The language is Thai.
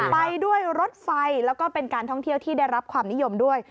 ไปด้วยรถไฟแล้วก็เป็นการท่องเที่ยวที่ได้รับความนิยมด้วย